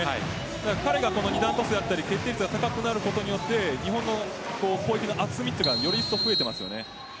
彼が二段トスをやったり決定率が高くなることによって日本の攻撃の厚みがより増えています。